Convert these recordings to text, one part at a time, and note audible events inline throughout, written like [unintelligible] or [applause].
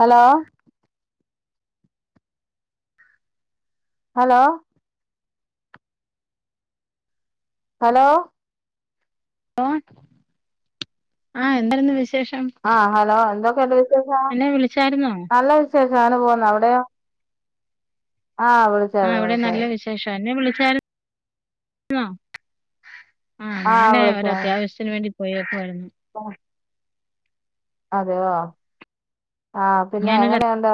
Hello hello hello [unintelligible] ആഹ് എന്തായിരുന്നു വിശേഷം ആഹ് ഹലോ എന്തൊക്കെണ്ട് വിശേഷം എന്നെ വിളിച്ചായിരുന്നോ നല്ല വിശേഷങ്ങനപോണ് അവിടെയൊ ആ [unintelligible] ആഹ് ഇവിടെം നല്ല വിശേഷവാ എന്നെ വിളിച്ചായിരുന്നോ ആഹ് ഞാന് ഒരത്യാവശ്യത്തിന് വേണ്ടി പോയേക്കുവായിരുന്നു [inaudible] അതെയോ ആഹ് ഞാനൊരു പിന്നെങ്ങനെയൊണ്ട്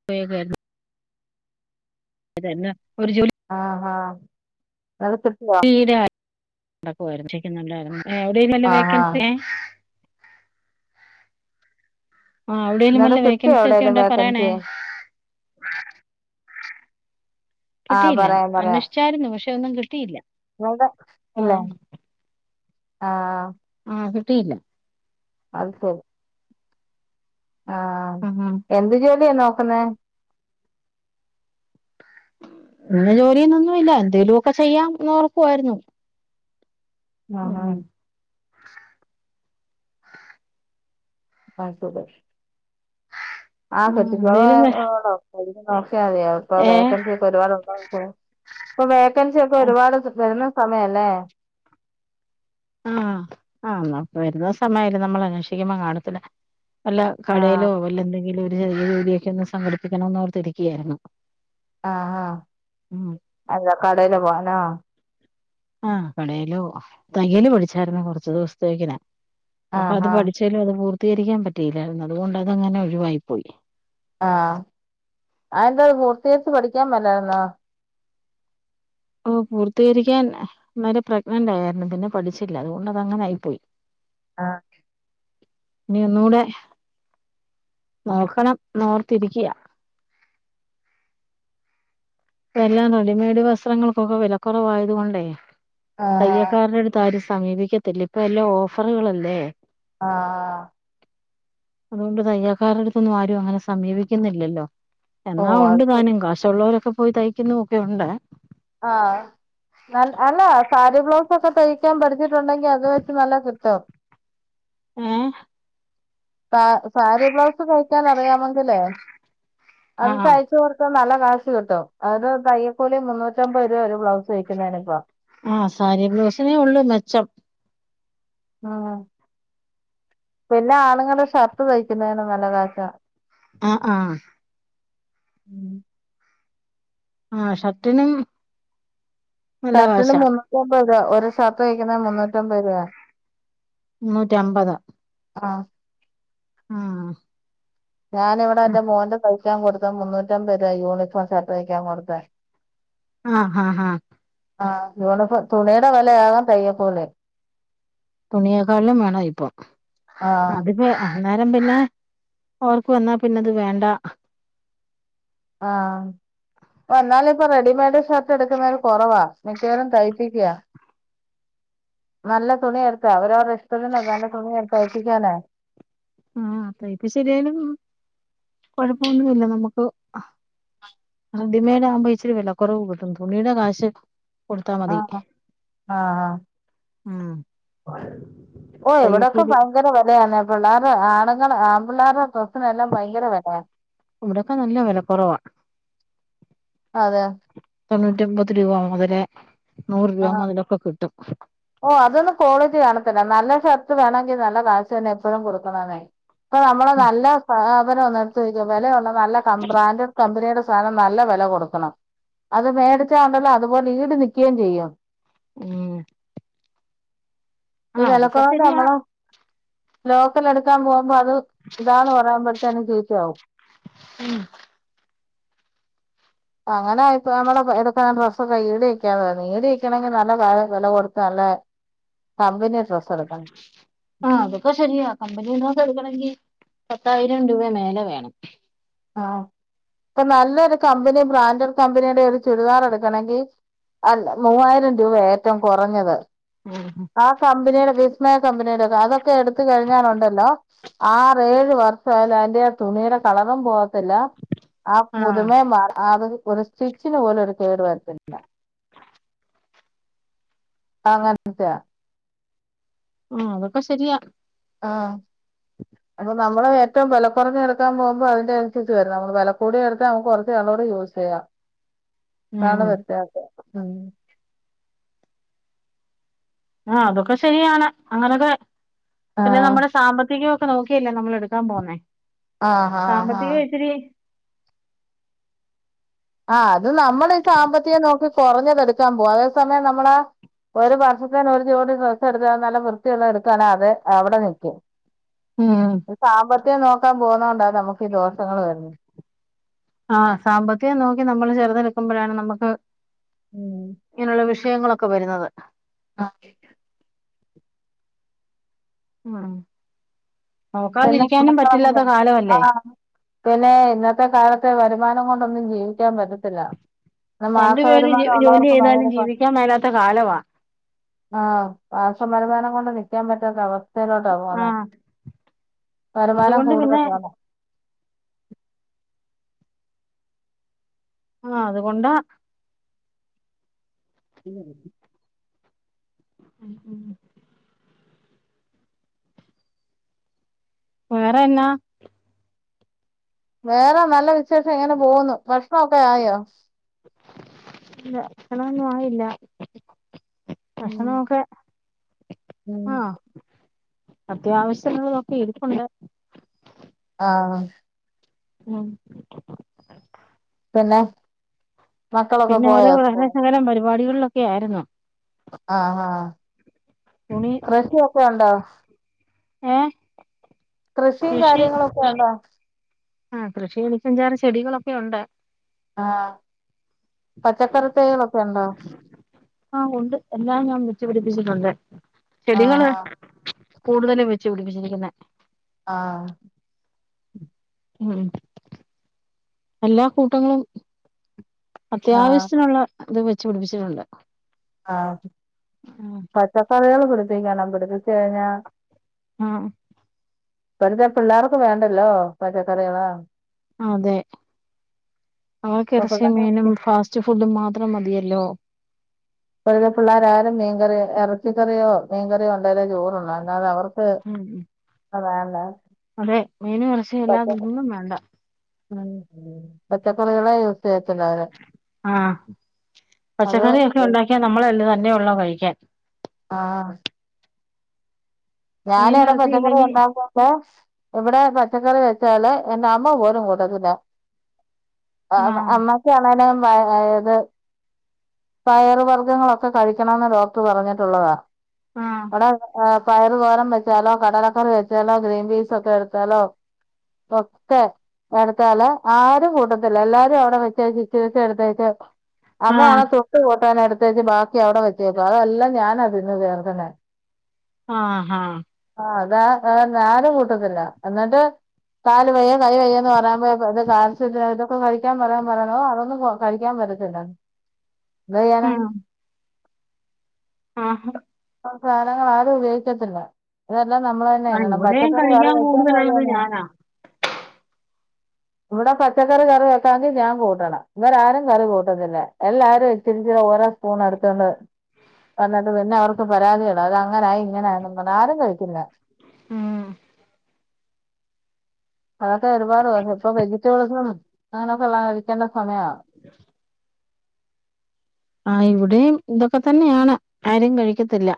[inaudible] ആഹാ [unintelligible] [unintelligible] ആഹ് ആഹ് [inaudible] ആഹ് എവിടേലും ഇന്നലെ വല്ല കിട്ടിയോ വേക്കൻസിയൊക്കെ എവിടേലും ഒണ്ടേ പറയണേ വേക്കൻസി ആഹ് കിട്ടീല പറയാം അന്വേഷിച്ചാര്ന്നു പക്ഷെ ഒന്നും കിട്ടിയില്ല [inaudible] ല്ലേ ആഹ് ആഹ് ആഹ് കിട്ടിയില്ല അത് [unintelligible] ആഹ് എന്ത് ജോലിയാ നോക്കുന്നെ ഇന്ന ജോലിയെന്നൊന്നുവില്ല എന്തേലുവൊക്ക ചെയ്യാം എന്നോർക്കുവാര്ന്നു ആഹ് ആഹ് പാസ് ബുക്ക് [inaudible] ആഹ് എന്തേലും ഏഹ് ഇപ്പൊ വേക്കൻസിയൊക്കെ ഒരുപാട് വെരുന്ന സമയവല്ലേ ആഹ് ആന്നാപ്പ വരുന്ന സമയാലും നമ്മള് അന്വേഷിക്കുമ്പോ കാണത്തില്ല വല്ല ആഹ് കടേലോ വല്ല എന്തെങ്കിലും ഒരു ചെറിയ ജോലിയെക്കെ ഒന്ന് സംഘടിപ്പിക്കണന്നോർത്തിരിക്കേരുന്നു ആഹ് ആഹ് ഉം അല്ല കടയില് പോവാലോ ആഹ് കടയിലോ തയ്യല് പഠിച്ചാര്ന്ന് കൊറച്ച് ദെവസത്തേക്കിന് അപ്പ ആഹ് അത് ആഹ് പഠിച്ച് തേലും അത് പൂർത്തീകരിക്കാ പറ്റിയില്ലായിരുന്നു അതുകൊണ്ട് അതങ്ങനെ ഒഴിവായിപ്പോയി ആഹ് അതെന്താത് പൂർത്തീകരിച്ചു പഠിക്കാ മേലായിര്ന്നാ ഓ പൂർത്തീകരിക്കാൻ അന്നേരം പ്രെഗ്നന്റായാരുന്ന് പിന്നെ പഠിച്ചില്ല അതുകൊണ്ട് അതങ്ങനായിപ്പോയി ആഹ് ഇനി ഒന്നൂടെ നോക്കണംന്നോർത്തിരിക്കയാ ഇപ്പെല്ലാം റെഡിമെയ്ഡ് വസ്ത്രങ്ങൾക്കൊക്കെ വെല കൊറവായതൊണ്ടേ ആഹ് തയ്യക്കാരടുത്താരും സമീപിക്കത്തില്ല ഇപ്പെല്ലാം ഓഫറുകളല്ലേ ആഹ്........ അതുകൊണ്ട് തയ്യൽക്കാരട്ത്തൊന്നു ആരുവങ്ങനെ സമീപിക്കുന്നില്ലല്ലോ എന്നാ ഓഹ് അത് ഒണ്ട് ശരി താനും കാശൊള്ളോരൊക്കെ പോയി തയ്ക്കുന്നു ഒക്കെ ഒണ്ട് ആഹ് അല്ല സാരി ബ്ലൗസക്കെ തയ് തയ്ക്കാ പഠിച്ചിട്ടുണ്ടെങ്കിൽ അത് വെച്ച് നല്ല കിട്ടും ഏഹ്.... സ സാരി ബ്ലൗസ് തയ്ക്കാനറിയാമെങ്കിലേ അത് ആഹ് തയ്ച്ചു കൊ ഇപ്പം നല്ല കാശ് കിട്ടും. അത് തയ്യക്കൂലി മുന്നൂറ്റമ്പത് രൂപയ ഒരു ബ്ലൗസ് തയ്യ്ക്കുന്നേനിപ്പം. ആഹ് സാരി ബ്ലൗസിനേ ഉള്ളൂ മെച്ചം. ഉം. പിന്നാണുങ്ങടെ ഷർട്ട് തയ്ക്കുന്നേന് നല്ല കാശാ. ആഹ് ആഹ് ഉം ആ ഷർട്ടിനും നല്ല ഷർട്ടിന് കാശാ മുന്നൂറ്റിമ്പത് രൂപ ഒരു ഷർട്ട് തയ്ക്കുന്നതിന് മുന്നൂറ്റിമ്പത് രൂപ. മുന്നൂറ്റമ്പതാ. ആഹ് ഉം ഞാനിവിടെ എന്റെ മോന്റെ തയ്ക്കാൻ കൊടുത്ത മുന്നൂറ്റമ്പത് രൂപയ്ക്കാ യൂണിഫോം ഷർട്ട് തയ്യ്ക്കാൻ കൊടുത്തേ. ആഹ് ആഹ് ആഹ് ആ യൂണിഫോം. തുണിയുടെ വിലയാകും തയ്യകൂലി. തുണിയക്കാളിലും വേണം ഇപ്പൊ ആഹ് അതും വേണം അന്നേരം പിന്നെ ഓർക്ക് വന്നാ പിന്നെത് വേണ്ട ആഹ് ഓ എന്നാലും ഇപ്പൊ റെഡിമെയ്ഡ് ഷർട്ട് എടുക്കുന്നവര് കുറവാ. മിക്കവരും തയ്പ്പിക്കുവാ. നല്ല തുണി എടുത്തേ അവരവരുടെ ഇഷ്ടത്തിന് നല്ലതുണി എടുത്ത് തയ്പ്പിക്കാനേ ആ തയ്പ്പ് ശരിയാലും കൊഴപ്പ ഒന്നും ഇല്ല നമുക്ക് റെഡിമേഡ് ആകുമ്പം ഇച്ചിരി വിലക്കുറവും കിട്ടും. തുണിയുടെ കാശ് കൊടുത്താ മതി, ആഹ് ആഹ് ഉം ഓ ഇവിടൊക്കെ തയ്യക്കൂലി ഭയങ്കര വിലയാണ് ആ പിള്ളേരുടെ ആണുങ്ങടെ ആൺ പിള്ളേരുടെ ഡ്രസ്സിനെല്ലാം ഭയങ്കര വിലയാണ്. ഇവിടൊക്കെ നല്ല വില കുറവാണ്. അതെ തൊണ്ണൂറ്റൊമ്പത് രൂപ മുതല് നൂറ് ആ രൂപ മുതലൊക്കെ കിട്ടും. ഓ അതൊന്നു ക്വാളിറ്റി കാണത്തില്ല. നല്ല ഷർട്ട് വേണമെങ്കിൽ നല്ല കാശ് തന്നെ എപ്പോഴും കൊടുക്കണേന്നേ. ഇപ്പൊ നമ്മള് നല്ല സാധനം ഒന്നു എടുത്ത് നോക്കിയേ വിലയുള്ള നല്ല ബ്രാൻഡഡ് കമ്പനിയുടെ സാധന നല്ല വില കൊടുക്കണം. അത് മേടിച്ചാ ഒണ്ടല്ലോ അതുപോലെ ഈട് നിൽക്കുകയും ചെയ്യും. ഉം ഈ ആഹ് അതൊക്കെ വിലക്കുറവ് ശരിയാ നമ്മള ലോക്കൽ എടുക്കാൻ പോകുമ്പോ അത് ഇതാന്ന് പറയുമ്പഴത്തേന്ന് ചീത്തയാവും. ഉം അങ്ങനെ ഇപ്പ നമ്മടെടുക്കണ ഡ്രസ്സൊക്കെ ഈട് നിക്കാതെ വരുന്നത്. ഈട് നിൽക്കണമെങ്കി നല്ല വില കൊടുക്ക- ടുത്ത് നല്ല കമ്പനി ഡ്രസ് എടുക്കണം. ആ അതൊക്കെ ശരിയാ. കമ്പനി നിന്ന് എടുക്കണെങ്കിൽ പത്തായിരം രൂപ മേലെ വേണം. ആ ഇപ്പൊ നല്ലൊരു കമ്പനി ബ്രാന്റഡ്കമ്പനിയുടെ ഒരു ചുരിദാർ എടുക്കണമെങ്കി അല്ല മൂവായിരം രൂപയാ ഏറ്റവും കുറഞ്ഞത്. ഉം ആ കമ്പനിയുടെ വിസ്മയ കമ്പനിയുടെ ഒക്കെ അതൊക്കെ എടുത്ത കഴിഞ്ഞാലുണ്ടല്ലോ ആറ് ഏഴ് വർഷമായാലും അതിന്റെ ആ തുണിയിടെ കള ളറും പോവത്തില്ല ആ ആഹ് പുതുമയും മാറ ആ സ്റ്റിച്ചിന് പോലും ഒരു കേടുവരത്തില്ല. അങ്ങനത്തെയാ. ആ അതൊക്കെ ശരിയാ. ആഹ് അപ്പൊ നമ്മള് ഏറ്റവും വില കുറഞ്ഞ എടുക്കാൻ പോകുമ്പോ അതിന്റെ അനുസരിച്ച് വരും. നമ്മള് വില കൂടിയാ എടുത്താ നമ്മക്ക് കുറച്ചു നാളുടെ യൂസ് ചെയ്യാം. ചെയ്യാം. അതാണ് ഉം വ്യത്യാസം. ഉം. ആ അതൊക്കെ ശരിയാണ്. അങ്ങനൊക്കെ പിന്നെ ആഹ് നമ്മുടെ സാമ്പത്തികമൊക്കെ നോക്കിയല്ലേ നമ്മള് എടുക്കാൻ പോന്നേ ആഹ് ആഹ് ആഹ് സാമ്പത്തികം ഇച്ചിരി ആ അത് നമ്മള് സാമ്പത്തികം നോക്കി കുറഞ്ഞതെടുക്കാൻ പോകും അതേ സമയം നമ്മളാ ഒരു വർഷത്തേനും ഒര് ജോഡി ഡ്രെസ്സെടുത്താഅത് നല്ല വൃത്തിയുള്ളെ എടുക്കാണെ അത് അവിടെ നിക്കും ഉം സാമ്പത്തികം നോക്കാൻ പോകുന്ന കൊണ്ടാ നമുക്ക് ഈ ദോഷങ്ങള് വരുന്നെ ആഹ് സാമ്പത്തികം നോക്കി നമ്മള് ചെറ്തെടുക്കുമ്പഴാണ് നമുക്ക് ഇങ്ങനുള്ള വിശ് ഷയങ്ങളൊക്കെ വരുന്നത് അതെ ഉം പിന്നെ നോക്കാതിരിക്കാനും പറ്റില്ലാത്ത കാലവല്ലേ പിന്നേ.. ഇന്നത്തെ കാലത്ത് വരുമാനം കൊണ്ടൊന്നും ജീവിക്കാൻ പറ്റത്തില്ല പിന്നെ മാസ രണ്ടു പേര് വരുമാനം ജോലി ഉള്ളവർക്ക് ചെയ്താലും ഭയങ്കര ജീവിക്കാൻ [unintelligible] മേലാത്ത കാലവാ ആഹ് മാസ വരുമാനം കൊണ്ട് നിക്കാൻ പറ്റാത്ത അവസ്ഥയിലോട്ടാ പോന്നെ. ആഹ് വരുമാനം അതുകൊണ്ട് കൂടുതൽ പിന്നെ വേണം ആഹ് അതുകൊണ്ടാ [unintelligible] [unintelligible] വേറെ എന്നാ വേറെ നല്ല വിശേഷം, ഇങ്ങനെ പോവുന്നു, ഭക്ഷണൊക്കെ ആയോ ഇല്ല ഭക്ഷണമൊന്നും ആയില്ല ഉം ഭക്ഷണമൊക്കെ ഉം ആഹ് അത്യാവശ്യത്തിനുള്ളതൊക്കെ ഇരിപ്പുണ്ട് ആഹ് ഉം പിന്നെ മക്കളൊക്കെ പിന്നോരോ പോയോ വേറെ സ്കൂള് ശകലം പരിപാടികളിലൊക്കെയായിരുന്നു ആഹാ തുണി കൃഷിയൊക്കെയുണ്ടോ ഏഹ് കൃഷിയും കൃഷി കാര്യങ്ങളൊക്കെയുണ്ടോ ആഹ് കൃഷി എനിക്കഞ്ചാറ് ചെടികളൊക്കെയുണ്ട് ആഹ് പച്ചക്കറി തൈകളൊക്കെ ഉണ്ടോ ആഹ് ഉണ്ട് എല്ലാം ഞാൻ വെച്ചുപിടിപ്പിച്ചിട്ടുണ്ട്. ചെടികള് ആഹ് കൂടുതലും വെച്ച് പിടിപ്പിച്ചിരിക്കുന്നെ ആഹ് ഉം എല്ലാ കൂട്ടങ്ങളും ആഹ് ആഹ് അത്യാവശ്യത്തിനുള്ള ഇത് വെച്ചു പിടിപ്പിച്ചിട്ടുണ്ട് ആഹ് പച്ചക്കറികള് പിടിപ്പിക്കണം. പിടിപ്പിച്ച് കഴിഞ്ഞാ ഉം ഇപ്പഴത്തെ പിള്ളേർക്ക് വേണ്ടല്ലോ പച്ചക്കറികള് അതെ ഇപ്പൊ അവർക്കെറച്ചിയും പിള്ളേർക്ക് മീനും ഫാസ്റ്റ് ഫുഡും മാത്രം മതിയല്ലോ ഇപ്പഴത്തെ പിള്ളേരാരും മീൻകറിയൊ എറച്ചിക്കറിയോ മീൻകറിയോ ഒണ്ടായാലേ ചോറുണ്ണു അല്ലാതെ അവർക്ക് ഉം ഉം ക്ക് അതെയല്ലേ അതെ, മീനും എറച്ചിയും അല്ലാതൊന്നും വേണ്ട പച്ചക്കറികള് യൂസ് ചെയ്യത്തില്ലവന് ആഹ് അപ്പൊ ക്യാൻ നമ്മള് തന്നെയുള്ളൂ കഴിക്കാൻ ആഹ് മീനും ഞാനിവിടെ ഇറച്ചിയും പച്ചക്കറി ഇല്ലെങ്കി ഉണ്ടാക്കുമ്പൊ ഇവിടെ പച്ചക്കറി വെച്ചാല് എന്റെ അമ്മ പോലും കൂട്ടത്തില്ല ആഹ് അമ്മ കാണാനും വയ വയേത് പയർ വർഗ്ഗങ്ങളൊക്കെ കഴിക്കണം ന്ന് ഡോക്ടർ പറഞ്ഞിട്ടുള്ളതാ ആഹ് അവിടെ ആഹ് പയറ് തോരം വെച്ചാലോ കടലക്കറി വെച്ചാലോ ഗ്രീൻ പീസ് ഒക്കെ എടുത്താലോ ഒക്കെ അടുത്താല ആരും കൂട്ടത്തില്ല എല്ലാരും അവിടെ വെച്ച് ചച്ച വച്ച എടുത്തായിട്ട് അമ്മയാണെ ആഹ് തൊട്ട് കൂട്ടാൻ എടുത്തേച്ച് ബാക്കി അവിടെ വെച്ചേക്കും അതെല്ലാം ഞാനാതിന്ന് തീർക്ക്ന്നേ ആഹ് ആഹ് ആഹ് അതാ ഏഹ് ഞാനും കൂട്ടത്തില്ല എന്നിട്ട് കാല് വയ്യ കൈ വയ്യ എന്ന് പറയാപോ [unintelligible] കാണിച്ചിട്ട് ഇപ്പ കഴിക്കാൻ പറയാൻ പറാനോ ഏഹ് അതൊന്നും കഴിക്കാൻ പറ്റത്തില്ലാന്ന് എന്തെയ്യാനാ ഉം ആഹ് സാധനങ്ങൾ ആരും ഉപയോഗിക്കത്തില്ല ഇതെല്ലാം നമ്മൾ തന്നെ ആഹ് ഇടണം ഇവിടെയും പച്ചക്കറി വേറെ കഴിക്കാൻ നെയ്ച്ചോറിനും കൂടുതലുള്ളത് അതന്നെ ഞാനാ ഇവടെ പച്ചക്കറി കറി വെക്കാമെങ്കിൽ ഞാൻ കൂട്ടണം ഇവര ആരും കറി കൂട്ടുന്നില്ലേ എല്ലാരും ഇച്ചിരിച്ചി ഓരോ സ്പൂൺ എടുത്തൊണ്ട് എന്നിട്ട് പിന്നെ അവർക്ക് പരാതി യുള്ളൂ അത് അങ്ങനെയായി ഇങ്ങനെയാണെന്ന് പറഞ്ഞ് ആരും കഴിക്കില്ല ഉം അതൊക്കെ ഒരുപാട് [unintelligible] ഇപ്പോ വെജിറ്റബിൾസും അങ്ങനൊക്കെള്ളാം കഴിക്കേണ്ട സമയാ [inaudible] ആഹ് ഇവിടിം ഇതൊക്കെ തന്നെയാണ് ആരും കഴിക്കത്തില്ല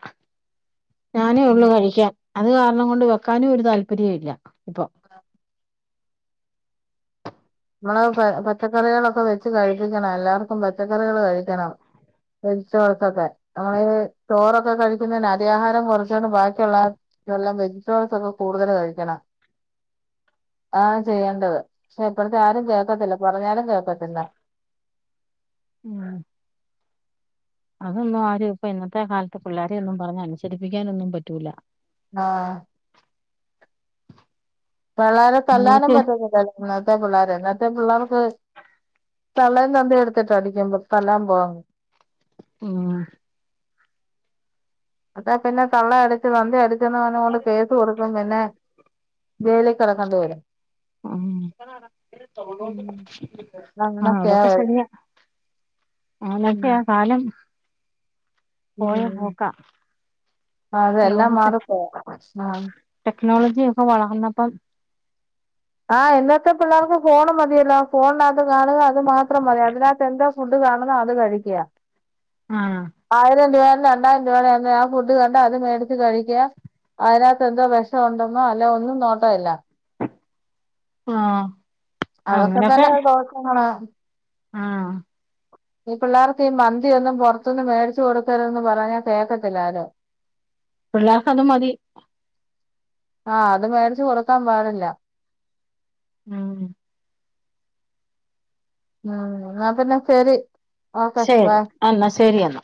ഞാനേ ഉള്ളൂ കഴിക്കാൻ അത് കാരണം കൊണ്ട് വെക്കാനും ഒരു താല്പര്യ ഇല്ല ഇപ്പൊ നമ്മള് പ പച്ചക്കറികളൊക്കെ വെച്ച് കഴിപ്പിക്കണം എല്ലാവർക്കും പച്ചക്കറികൾ കഴിക്കണം വെജിറ്റബിൾസൊക്കെ നമ്മള് ചോറൊക്കെ കഴിക്കുന്നതിന് അരി ആഹാരം കൊറച്ചോണ്ട് ബാക്കിയുള്ള തെല്ലം വെജിറ്റബിൾസ് ഒക്കെ കൂടുതൽ കഴിക്കണം ആഹ് ചെയ്യേണ്ടത് ഇപ്പോഴത്തെ ആരും കേൾക്കത്തില്ല പറഞ്ഞാലും കേൾക്കത്തില്ല ഉം അതൊന്നും ആരും ഇപ്പൊ ഇന്നത്തെ കാലത്ത് പിള്ളോരെയൊന്നും പറഞ്ഞഅനുസരിപ്പിക്കാനൊന്നും പറ്റൂല്ല ആഹ് പിള്ളേരെ തല്ലാനും അവർക്ക് പറ്റത്തില്ലായി ഇന്നത്തെ പിള്ളേരെ ഇന്നത്തെ പിള്ളേർക്ക് തള്ളേം തന്തേ എടുത്തിട്ട് അടിക്കുമ്പോ തല്ലാൻ പോവാ ഉം അതാ പിന്നെ തള്ളയടച്ച് തന്ത അടിച്ചെന്ന് പറഞ്ഞ് കൊണ്ട് കേസ് കൊടുക്കും പിന്നെ ജയില് ആഹ് ആഹ്, അങ്ങനൊക്കെയാ അതൊക്കെശരിയ ഉം ആന്നൊക്കെയാ കാലം പോയ പോക്കാ ആഹ് അതെ എല്ലാം മാറി പോകും ആഹ് ടെക്നോളജി ഒക്കെ വളർന്നപ്പം ആഹ് ഇന്നത്തെ പിള്ളേർക്ക് ഫോണ് മതിയല്ലോ ഫോണിനകത്ത് കാണുക അത് മാത്രം മതി അതിനകത്ത് എന്തോ ഫുഡ് കാണുന്നാ അത് കഴിക്കാ ആഹ് ആയിരം രൂപയയാലും രണ്ടായിരം രൂപയായാലും ആ ഫുഡ് കണ്ട അത് മേടിച്ച് കഴിക്കുക അതിനകത്ത് എന്തോ വെഷണ്ടെന്നോ അല്ല ഒന്നും നോട്ടോല്ല ആഹ് അതൊക്കെ അങ്ങനൊക്കെ തന്നെ ദോഷമാണ് ആഹ് ഈ പിള്ളാർക്ക് ഈ മന്തിയൊന്നും പുറത്തൂന്ന് മേടിച്ചു കൊടുക്കരുതെന്ന് പറഞ്ഞാ കേക്കത്തില്ലാരും പിള്ളാർക്കതുമതി ആഹ് അത് മേടിച്ച് കൊടുക്കാൻ പാടില്ല ഉം ഉം എന്നാ പിന്നെ ശരി ഓക്കെ ശരി ബൈ എന്ന ശരിയെന്നാ